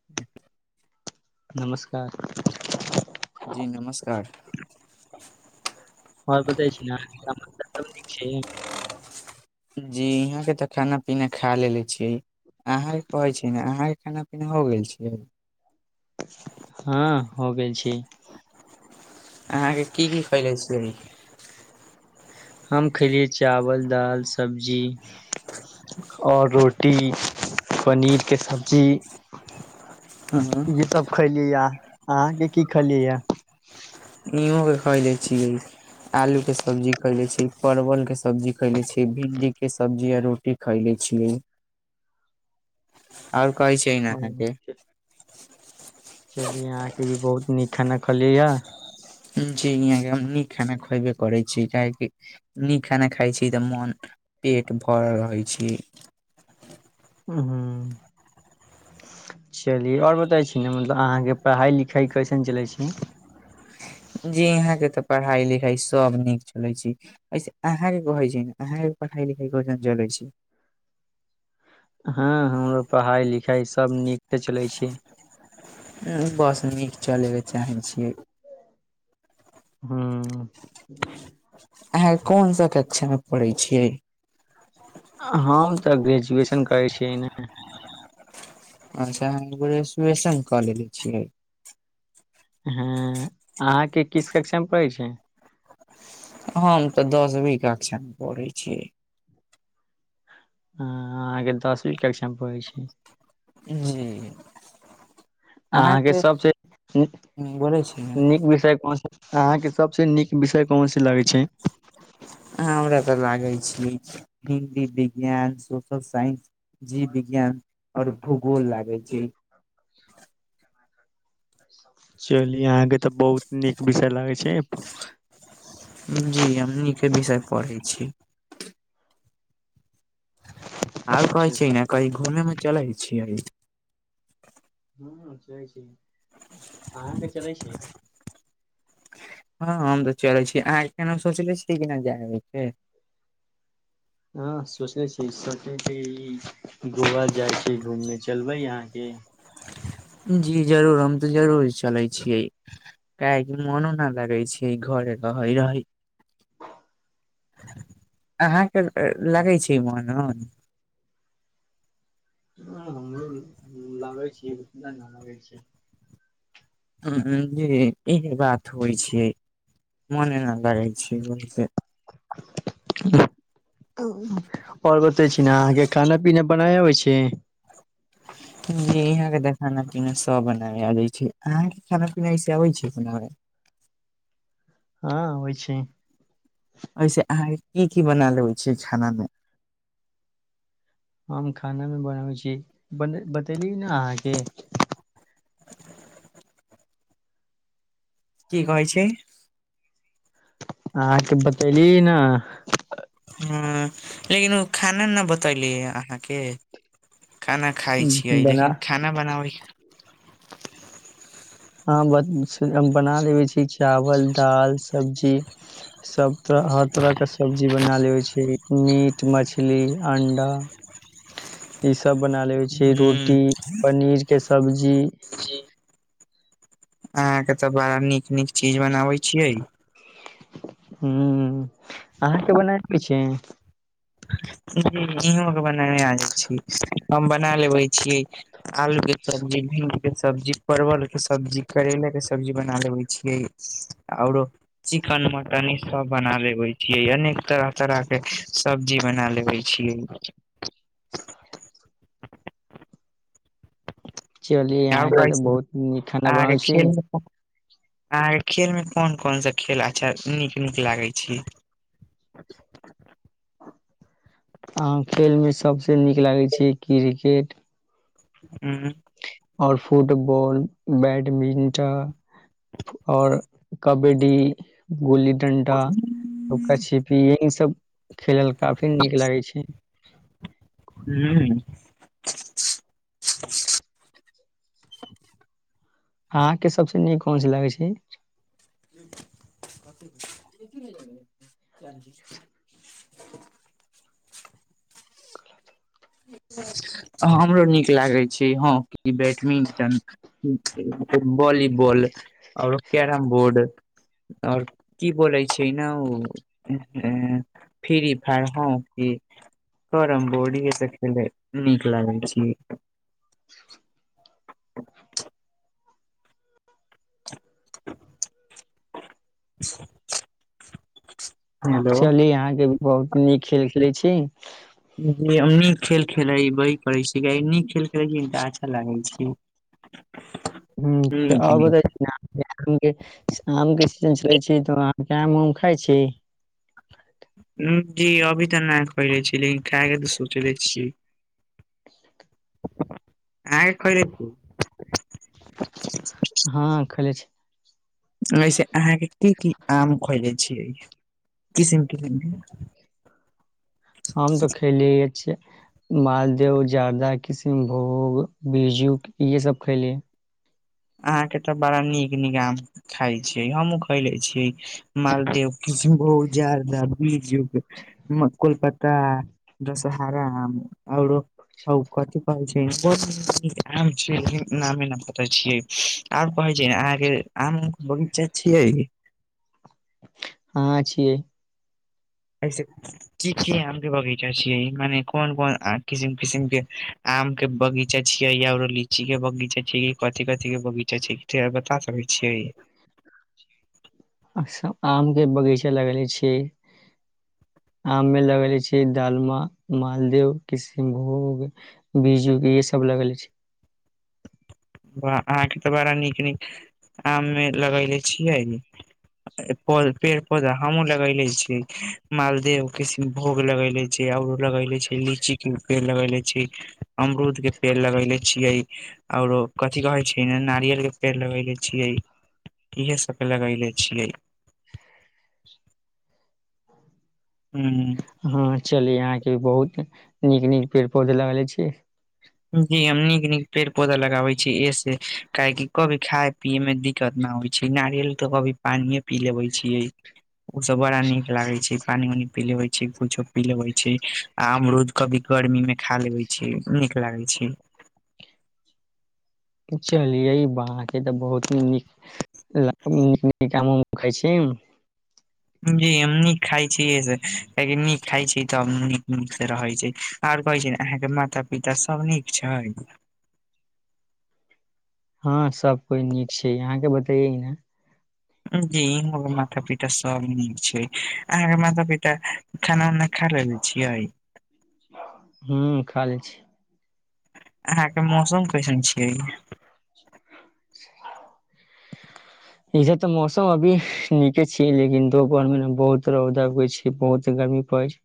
[inaudible] नमस्कार। जी नमस्कार। और बतै छी ना अहाॅंके समाचार सब नीक छै। जी इहाँ के तऽ खाना पीना खा लेलेे छियै। अहाँके कहै छी ना अहाँके खाना पीना हो गैल छै। हाॅं हो गैल छै। अहाँके की की खैले छियै? हम खैलियै चावल, दाल, सब्जी। और रोटी, पनीर के सब्जी। इहे सब खैलीयै या, अहाँके की खेलियै या? इहों के खैले छियै आलू के सब्जी खैले छी परवल के सब्जी खैले छी। भिंडी के सब्जी आ रोटी खैले छीयै। आओर कहै छै ने अहाँके। चलि अहाँके भी बहुत नीक खाना खलियै या। जी इहाँके हम नीक खाना खयबे करै छी काहे की नीक खाना खाइ छी तऽ मन पेट भरल रहै छीयै। उं हूँ। चली आओर बताइ छी ना मतलब अहाँके पढ़ाइ लिखाइ कैसन चलै छै। जी यहाँ के तऽ पढ़ाई लिखाई सब नीक चलै छै। ऐसे अहाँके कहै छी अहाँके पढ़ाई लिखाई कैसन चलै छै। हँ हमरो पढ़ाई लिखाई सब नीक त चलै छै। बस नीक चलै के चाहें छियै। हूँ। अहाँके कोन सा कक्षा में पढ़ै छियै? हम तऽ ग्रेजुएशन करै छीयै ने। अच्छा अहाँ ग्रेजुएशन कऽ लेेले छियै। हँ अहाँके किस कक्षा मे पढै छीयै? हम तऽ दसवीं कक्षा मे पढ़ै छियै। हँ अहाँके दसवीं कक्षा मे पढ़ै छीयै। जी। अहाँके सबसे नीक बोलै छी ने नीक विषय कोन सा? अहाँके सबसे नीक विषय कोनसा लागे छै? अहाँ हमरा तऽ लागै छी हिन्दी, विज्ञान, सोशल साइंस। जीव विज्ञान और भूगोल लागै छै। [unintelligible] चलि अहाँके तऽ बहुत नीक विषय लागै छै। जी हम नीके विषय पढ़ै छी। आरो कहै छीयै चलिए, ने कहीं घूमे उमे चलै छियै? ह चलै छै, अहाँके चलै छै? हां हम तऽ चलै छी, अहाँ केहनो सोचले छीये कि नै जाय आबै के। हां सोचनेे छी, सोचे छीये ई गोवा जाय छी घूमने चलबै अहाँ कि। जी जरूर हम तऽ जरूर चलै छियै। काहे कि मनो ना लगै छै ई घरे रहै रहै अहाँ के ए लागै छै मोन-उन। हां हमरो लागै छी ना लागै छै। हां जी इहे बात होय छै, मने ना लगै छै ओहि से [unintelligible] और बताई छी नै अहाँके खाना-पीना बनाय आबै छी। जी इहाँ के तऽ खाना-पीना सब बनाय आबै छै, अहाँके खाना-पीना ऐसे आबै छै बनाबै। हां होय छै। ऐसे अहाँ के की-की बना लेबै छियै खाना मे। हम खाना मे बनाबै छी बन बतेली नै अहाँके। की कहै छै। अहां के बतैेली ना। हां लेकिन उ खाना ना बतैली अहाँके खाना खाय छियै, बना लेकिन खाना बनाबै हां ब से हम बना लेबै छी चावल, दाल, सब्जी। सब तरह, हर तरह का सब्जी बना लेबै छी मीट, मछली, अंडा। ई सब बना लेबै छी हूँ, रोटी, पनीर के सब्जी। अहाँ के तऽ बड़ा नीक-नीक चीज बनाबे छियै। हुं अहाँके बनाय आबै छी। हुं इहो के बनाय नै आ जाइ छी [unintelligible] हम बना लेबे छी आलू के सब्जी। भिंडी के सब्जी, परवलके सब्जी, करैला के सब्जी बना लबै छियै औरो चिकन, मटन ई सब बना लेबै छिये, अनेक तरह-तरह के सब्जी बना ले बै छीये। [unintelligible] चलिय और अहाँके कहै तऽ छी ना बहुत नीक खाना अहाँ बनाबै के छी खेल मे अहाँके खेल मे कोन-कोन सा खेल अच्छा नीक-नीक लागे छी। [inaudible] अहाँ खेल मे सबसे नीक लागै छै किरकेट। ऊं। और फुटबॉल, बैडमिंटा। और कबडी। गुल्ली, डंडा, लुका छिपी ये ई सब खेलल काफी नीक लागे छै। हुं। अहाँ के सबसे नीक कोन चीज लागै छी। [unintelligible] हां हमरो नीक लागै छी हॉकी, बैटमिंटन। बोली बॉल और कैरम बोर्ड। और की बोलै छी ना उ ए फिरी फायर, होंकी, कैरम बोर्ड इहे से खेले नीक लागै छी। [unintelligible] चली अहाँके बहुत नीक खेल खेलै छी। हम नीक खेल खेलवैह करै छीय नीक खेल खेलै छी अच्छा लागे छै। हुं, त नीक आब नीक दय छय ना? के आमके सी- आम के सी [unintelligible] छै तऽ अहाँके आम उम खाइ छी? [unintelligible] की अभी तऽ नै [unintelligible] छी लेकिन खाय के तऽ सोचले छी। [unintelligible] आइ खैलै छी? हँ खयले छी। वैसे अहाँके की की आम खोजे छियै? किसिम- किसिम के- हम तऽ खेललिय अइछे। मालदेव, जादा, किसिनभोग, बिजू यहे सब खैलीय। अहाँ के तऽ बड़ा नीक-नीक आम खाय छिय हमहु खैले छियै। मालदेव, किसिनभोग, जारदा, बीजू- मकुलपता, दसहारा आम औरो- होउ कथी कहै छै? बड नीक-नीक आम छियै लेकिन नामे नै पता छियै। आब कहै छियै, अहाँके आम-उम के बगीचा छियै? अहां छियै। ऐस-कि- की आम के बगीचा छीयै माने कोन- कोन किसिम-किसिम के- आम के बगीचा छियै या आरो लीची के बगीचा छियै कि कथी- कथी के बगीचा छै? ते आर बता सकै छियै? अहां सब आम के बगीचा लगेेले छीयै? आम मे लगेले छीयै दालमा, मालदेव, किशिनभोग- बीजु ये सब लगेले छियै। अहाँके तऽ बड़ा नीक-नीक आम मे लगेले छियै। [unintelligible] पेड़ -पौधा हमहुँ लगेले छियै मालदेव किसिनभोग लगेले- छियै औरो लगैले छियै लीची के पे- लगेेले छी, अमरूद के पेड़ लगेले छियै औरो- कथी कहै छै- नारियलके पेड़ लगैेले छियै इहे सबके लगैले छियै। हुँ- ह चली अहा के बहुत नीक- नीक पेड़- पौधे लगैले छी। जी हम नीक-नीक पेड़-पौधा लगाबे छी, ऐहे से काहे की कभी खाय पियए में दिक- कत- न होइ छै, नारियल तऽ कभी पानिये पी लेबे छियै। [unintelligible] ओ सब बड़ा नीक लागे छै पानी उनी पिलेबै- छी। कुछो पी लेबे छी आमरूद कभी गर्मी में खा लेबे छी नीक लागे छै। चलियै बाके तऽ बहुती नीक- [unintelligible] खाय छीम- जी हम नीक खाइ छियै से कियाकी नीक खाइ छी तब नीक -नीक स रहै छै। और कहै छी ने अहाँके माता- पिता सब नीक छैय? हँ सब कोइ नीक छै। अहाँके बतैये न- जी हमरो माता-पिता सब नीक छै, अहाँके माता-पिता- खाना उना खा रहलै छियै? हुँ खालै छी। अहाँके मौसम कैसन छय? [unintelligible] इधर तऽ मौसम अभी निके छीयै लेकिन दोपहर मे ना बहुत रौदा उगै छै बहुत गर्मी परै छै।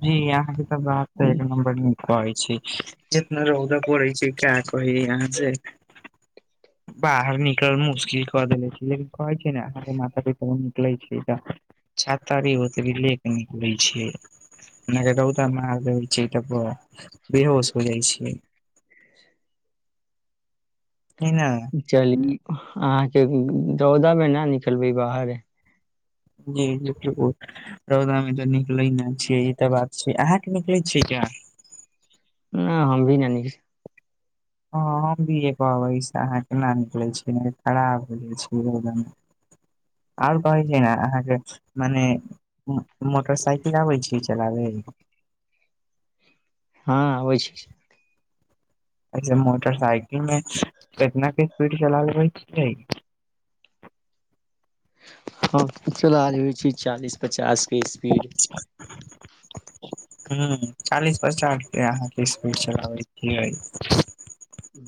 जी यहा के त बात त छै एक नम्बर निक कहै छी जितना रौदा पड़े छै का कह [unintelligible] यहाँ से। बाहर निकल मुश्किल कऽ देले छै [unintelligible] लेकिन कहै छै ने अहाँके माता-पिता निकलै छियै तऽ, छातारी ओत लैए के निकलै छियै। नहि छै तब बेहोश हो जाइ छै। [unintelligible] [unintelligible] नहि-नहि। [unintelligible] चलि अहाँके रौदामे न निकलबै बाहरे। जी बुल। [unintelligible] रौदा मे तऽ निकलै ने छियै ई तऽ बात छै अहाँके निकलैत छियै क्य। नहि हम भी नानीक हँ हम भी जे कहब से अहाँ केना निकलै छियै खराब हो जाइत छै रौदा में। आओर कहै छै ने अहाँके मने मोटरसाइकिल आबै छी चलाबे। हँ अबै छे। ऐसे मोटरसाइकिल मे कितना के स्पीड चलाबै छै। हँ चला आबय होइ छै चालीस पचासके स्पीड। [unintelligible] ह चालीस पचास अहाँके स्पीड चलाबै छियै। ह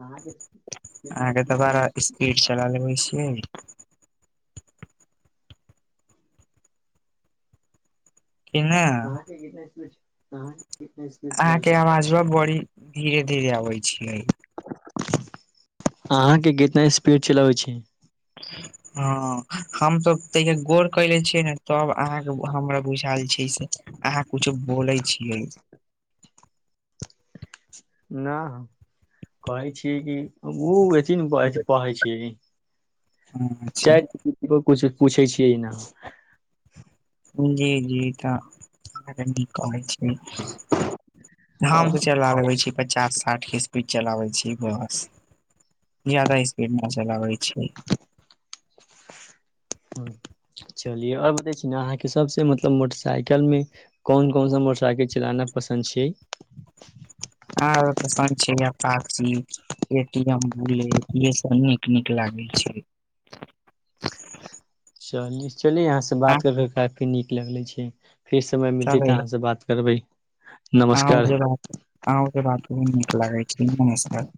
अहाँके कितना अहाँके स्पीड दोबारा चलाबै छीये। स्पीड चला लेबै छियै। कि नहि। कितनेछ कह कितने। [unintelligible] अहाँ के आवाज ब बड़ी धीरे-धीरे अबै छै। अहाँके कितना स्पीड चलबैत छीये। [unintelligible] हँ हम त तैया गोर कले छियै ने तब अहाँके हमरा बुझायल छै से। अहाँ कुछो बोलै छियै। न कहै छीयै कि ओ। तीन पढ़ै छी अच्छा चार। कुछ पूछै छियै न जी जी तऽ [unintelligible] हम त चल लबै छी। पचास साठि के स्पीड चलाबे छी बस। जदा स्पीड न चलाबे छी। चलियै आओर बताै छी ने अहाँके सबस मतलब मोटरसाइकिल मे। कौन-कौन सा मोटर साइकिल चिलाना पसन्द छैय। आ पसन्द छै अपाची। एटीम बुलेट यहे सब नीक-नीक लागल छै। चल चलि अहाँ से बात करकेे काफी नीक लगले छै। फेर समय मिलत तऽ अहाँ से बात करबै। अहो नमस्कार के बात नीक लागय छै नमस्कार।